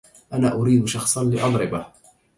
انا اريد شخصا لأضربه